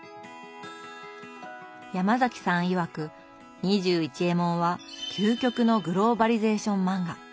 ヤマザキさんいわく「２１エモン」は究極のグローバリゼーション漫画。